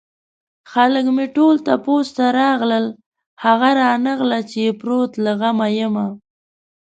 خلک مې ټول تپوس له راغله هغه رانغلو چې يې پروت له غمه يمه